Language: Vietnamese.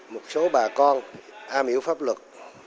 một số bà con am hiểu pháp luật